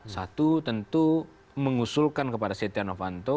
satu tentu mengusulkan kepada setia novanto